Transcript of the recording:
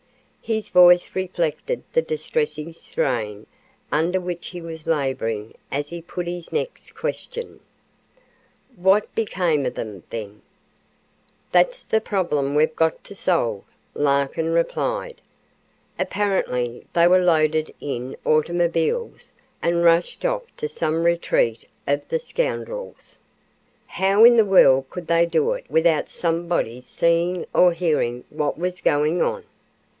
His voice reflected the distressing strain under which he was laboring as he put his next question: "What became of them then?" "That's the problem we've got to solve," Larkin replied. "Apparently they were loaded in automobiles and rushed off to some retreat of the scoundrels." "How in the world could they do it without somebody's seeing or hearing what was going on?"